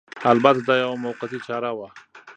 البته دا یوه موقتي چاره وه